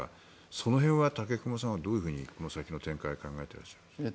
その辺は武隈さんはどのようにこの先の展開を考えていますか。